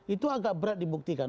itu agak berat dibuktikan